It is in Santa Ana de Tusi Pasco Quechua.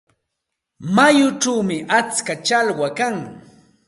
Mayuchawmi atska challwa kan.